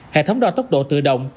hệ thống đo tốc độ tự động